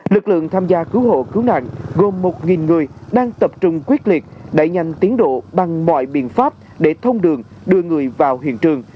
lực lượng tham gia cứu hộ cứu nạn gồm một người đang tập trung quyết liệt đẩy nhanh tiến độ bằng mọi biện pháp để thông đường đưa người vào hiện trường